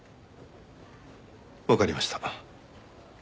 わかりました。